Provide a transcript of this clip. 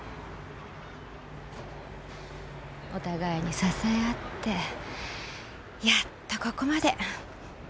お互いに支え合ってやっとここまで。